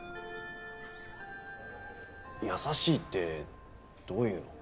優しいってどういうの？